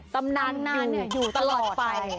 ตำนานนานอยู่ตลอดไป